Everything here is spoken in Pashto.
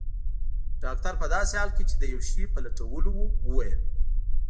ډاکټر په داسې حال کې چي د یو شي په لټولو وو وویل.